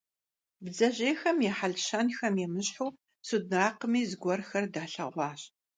Бдзэжьейхэм я хьэл-щэнхэм емыщхьу судакъми зыгуэрхэр далъэгъуащ.